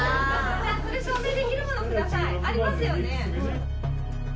じゃあそれ証明できるものをください。ありますよね？